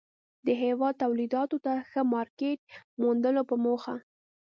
د هېواد توليداتو ته ښه مارکيټ موندلو په موخه